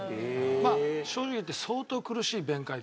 まあ正直言って相当苦しい弁解です。